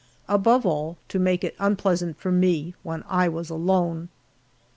Above all, to make it unpleasant for me when I was alone.